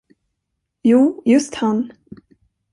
Jo, just han.